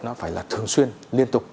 nó phải là thường xuyên liên tục